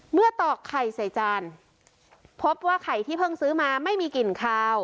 ตอกไข่ใส่จานพบว่าไข่ที่เพิ่งซื้อมาไม่มีกลิ่นคาว